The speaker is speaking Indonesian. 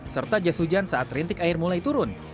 serta jas hujan saat rintik air mulai turun